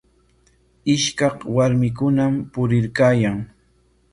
Ishkaq warmikunam puriykaayan.